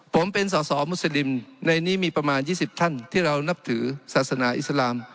ผมเป็นสอสอมุสลิมในนี้มีประมาณ๒๐ท่านที่เรานับถือศาสนาอิสลาม